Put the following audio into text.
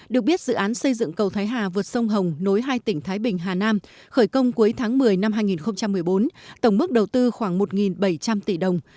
được biết dự án xây dựng cầu thái hà vượt sông hồng nối hai tỉnh thái bình hà nam khởi công cuối tháng một mươi năm hai nghìn một mươi bốn tổng mức đầu tư khoảng một bảy trăm linh tỷ đồng